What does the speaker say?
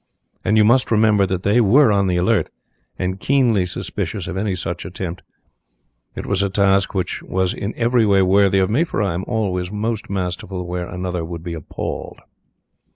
And you must remember that they were on the alert, and keenly suspicious of any such attempt. It was a task which was in every way worthy of me, for I am always most masterful where another would be appalled.